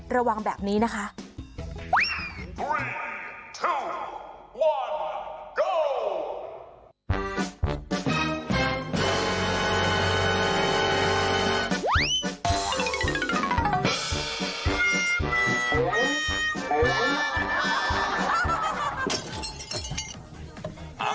ระวังแบบนี้นะคะ